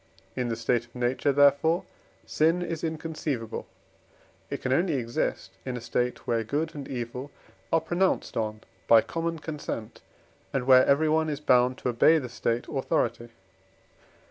In the state of nature, therefore, sin is inconceivable; it can only exist in a state, where good and evil are pronounced on by common consent, and where everyone is bound to obey the State authority.